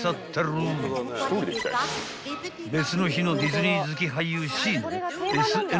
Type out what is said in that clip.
［別の日のディズニー好き俳優Ｃの］